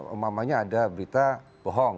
umamanya ada berita bohong